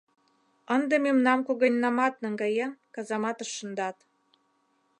Ынде мемнам когыньнамат, наҥгаен, казаматыш шындат.